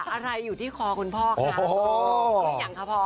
อะไรอยู่ที่คอคุณพ่อคะพ่อ